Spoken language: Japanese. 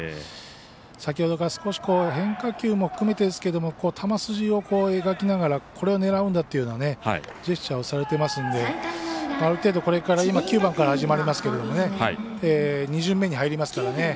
先ほどから少し変化球も含めてですけども球筋を描きながらこれを狙うんだっていうようなジェスチャーをされていますんである程度これは９番から始まりますけど２巡目に入りますからね。